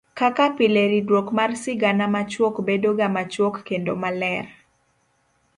kaka pile ridruok mar sigana machuok bedoga machuok kendo maler.